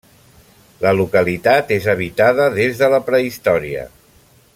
La localitat és habitada des de la prehistòria.